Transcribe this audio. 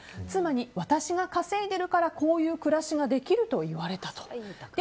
妻に私が稼いでいるからこういう暮らしができると言われたと。